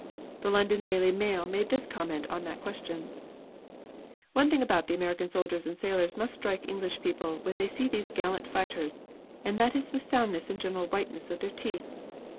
The London Daily Mail made this comment on that question: "One thing about the American soldiers and sailors must strike English people when they see these gallant fighters, and that is the soundness and general whiteness of their teeth.